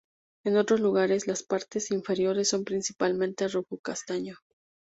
En otros lugares, las partes inferiores son principalmente rufo castaño.